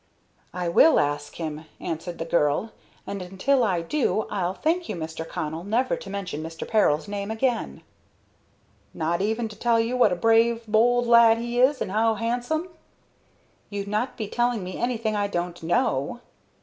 "I will ask him," answered the girl, "and until I do I'll thank you, Mr. Connell, never to mention Mr. Peril's name again." "Not even to tell you what a brave, bowld lad he is, and how handsome?" "You'd not be telling me anything I don't know."